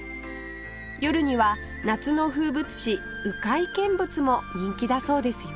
夜には夏の風物詩鵜飼見物も人気だそうですよ